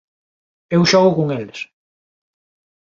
Eu xogo con eles.